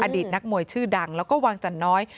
อดีตนักมวยชื่อดังแล้วก็วางจันน้อย